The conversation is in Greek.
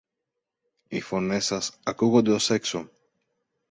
Οι φωνές σας ακούονται ως έξω!